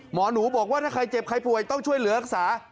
หมอหนูบอกว่าถ้าใครเจ็บใครป่วยต้องช่วยเหลือรักษา